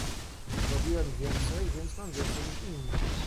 "Robiłem więcej, więc mam więcej niż inni."